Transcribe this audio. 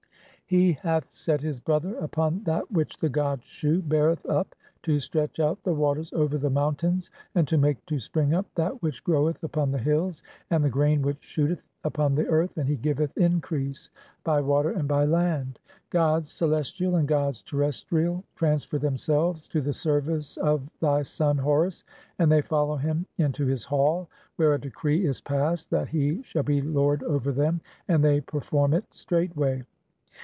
He "hath set his brother upon that which the god Shu beareth "up, to stretch out the waters over the mountains, and to make "to spring up (16) that which groweth upon the hills, and the "grain (?) which shooteth upon the earth, and he giveth increase "by water and by land. Gods celestial and gods terrestrial "transfer themselves to the service of thy son Horus, (17) and "they follow him into his hall, [where] a decree is passed that "he shall be lord over them, and they perform it straightway."